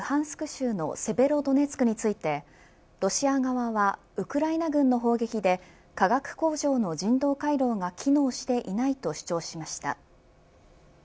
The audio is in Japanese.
州のセベロドネツクについてロシア側はウクライナ軍の砲撃で化学工場の人道回廊が機能していないと主張しました。